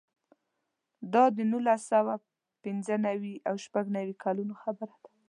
دا د نولس سوه پنځه نوې او شپږ نوې کلونو خبره ده.